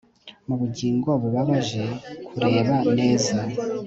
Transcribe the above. Mubugingo bubabaje kureba neza